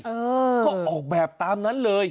เออก็ออกแบบตามนั้นเลย